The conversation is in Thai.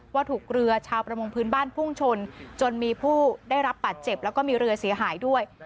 ว่าถูกเรือชาวประมงพื้นบ้านพุ่งชนจนมีผู้ได้รับบาดเจ็บแล้วก็มีเรือเสียหายด้วย